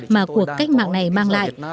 mà cuộc cách mạng này mang lại